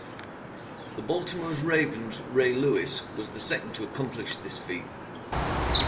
The Baltimore Ravens' Ray Lewis was the second to accomplish this feat.